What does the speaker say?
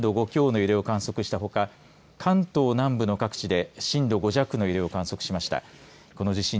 東京と埼玉で震度５強の揺れを観測したほか関東南部の各地で震度５弱の揺れを観測しました。